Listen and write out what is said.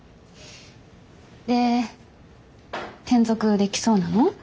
で転属できそうなの？